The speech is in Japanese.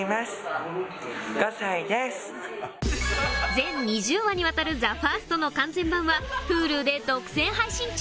全２０話にわたるＴＨＥＦＩＲＳＴの完全版はＨｕｌｕで独占配信中